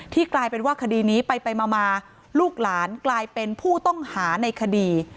กลายเป็นว่าคดีนี้ไปมาลูกหลานกลายเป็นผู้ต้องหาในคดี